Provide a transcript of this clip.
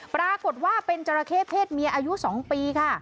ปรากฏว่าเป็นจราเข้เพศเมียอายุ๒ปีค่ะ